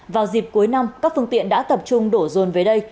vào dịp cuối năm các phương tiện đã tập trung đổ rồn về đây